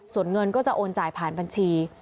ส่วนเงินก็จะโอนจ่ายผ่านบัญชี